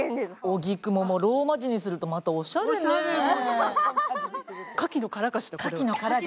荻窪もローマ字にするとまたおしゃれね。